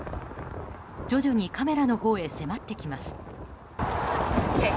徐々にカメラのほうへ迫ってきます。